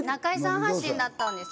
発信だったんですよ。